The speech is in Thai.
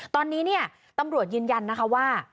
ตอนนี้เนี่ยตำรวจยืนยันนะคะว่า